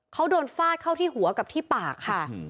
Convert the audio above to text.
เขาโดนฟาดเข้าที่หัวกับที่ปากค่ะ